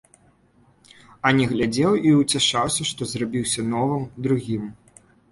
А не глядзеў і ўцяшаўся, што зрабіўся новым, другім.